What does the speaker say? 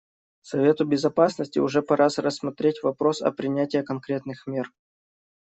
Совету Безопасности уже пора рассмотреть вопрос о принятии конкретных мер.